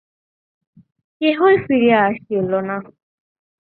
কেহই ফিরিয়া আসিল না।